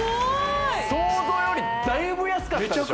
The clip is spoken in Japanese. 想像よりだいぶ安かったでしょ